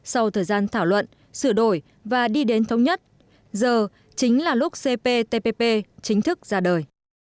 sau thời gian thảo luận sửa đổi và đi đến thống nhất giờ chính là lúc cptpp chính thức ra đời